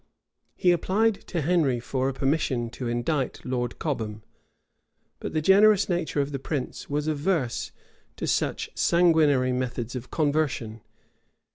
He applied to Henry for a permission to indict Lord Cobham;[] but the generous nature of the prince was averse to such sanguinary methods of conversion.